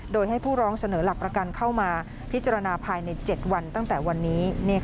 โดยให้ผู้ร้องเสนอหลักประกันเข้ามาพิจารณาภายใน๗วันตั้งแต่วันนี้